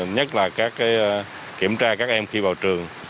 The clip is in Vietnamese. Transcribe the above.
nhất là các kiểm tra các em khi vào trường